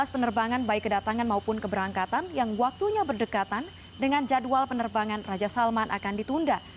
dua belas penerbangan baik kedatangan maupun keberangkatan yang waktunya berdekatan dengan jadwal penerbangan raja salman akan ditunda